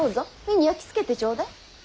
目に焼き付けてちょうだい。